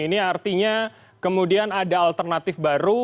ini artinya kemudian ada alternatif baru